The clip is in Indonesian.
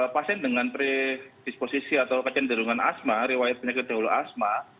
pasien dengan predisposisi atau kecenderungan asma riwayat penyakit dahulu asma